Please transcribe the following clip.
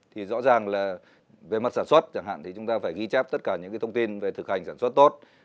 thì rõ ràng là về mặt sản xuất chẳng hạn thì chúng ta phải ghi chép tất cả những cái thông tin về thực hành sản xuất tốt